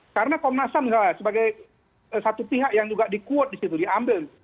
karena komnas ham sebagai satu pihak yang juga di quote di situ diambil